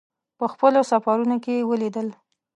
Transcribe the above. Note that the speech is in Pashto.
په خپلو سفرونو کې یې ولیدل.